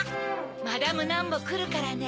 マダム・ナンもくるからね。